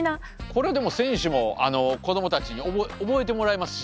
これでも選手も子供たちに覚えてもらえますし。